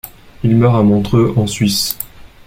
Il meurt à Montreux, en Suisse.